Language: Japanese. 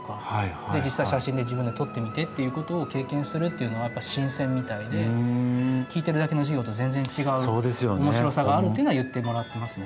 で実際写真で自分で撮ってみてっていうことを経験するっていうのはやっぱ新鮮みたいで聞いてるだけの授業と全然違う面白さがあるっていうのは言ってもらってますね。